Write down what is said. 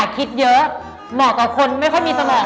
ขวานเก่งสุด